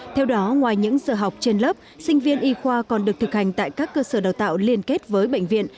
theo đó ngoài những giờ học trên lớp sinh viên y khoa còn được thực hành tại các cơ sở đào tạo liên kết với bệnh viện